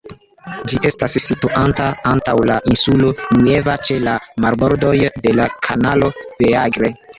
Ĝi estas situanta antaŭ la Insulo Nueva, ĉe la marbordoj de la Kanalo Beagle.